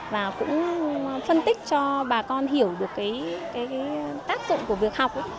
và cũng phân tích cho bà con hiểu được cái tác dụng của việc học